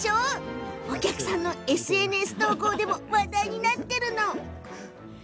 お客さんのＳＮＳ投稿でも話題になっているんですって。